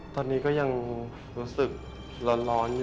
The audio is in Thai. ตอนนี้ก็ยังรู้สึกร้อนอยู่